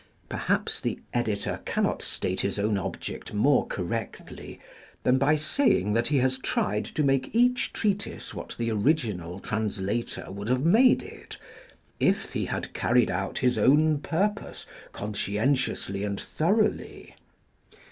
Perhaps the editor can not state his own object more correctly, than by saying that he has tried to make each treatise what the original translator would have made it if he had carried out his own purpose conscien tiously and thoroughly.